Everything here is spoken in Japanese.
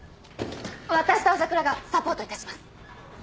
私と朝倉がサポートいたします。